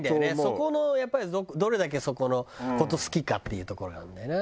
そこのやっぱりどれだけそこの事好きかっていうところなんだよな。